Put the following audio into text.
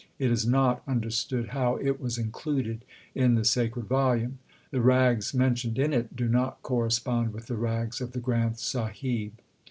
It is not understood how it was included in the sacred volume. The rags mentioned in it do not correspond with the rags of the Granth Sahib.